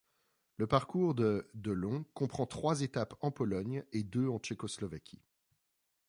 Le parcours de de long comprend trois étapes en Pologne et deux en Tchécoslovaquie.